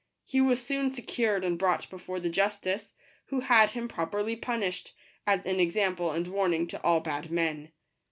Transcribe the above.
He was soon secured and brought before the justice, who had him properly punished, as an example and warning to all bad men.